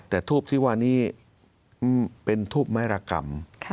แต่ทูปที่ว่านี้เป็นทูบไม้รกรรม